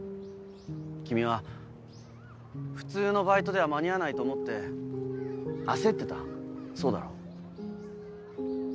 君は普通のバイトでは間に合わないと思って焦ってたそうだろ？